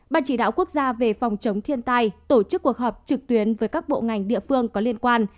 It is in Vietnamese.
ban chỉ đạo quốc gia về phòng chống thiên tai tổ chức cuộc họp trực tuyến với các bộ ngành địa phương có liên quan